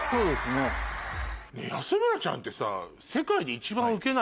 ねぇ安村ちゃんってさ。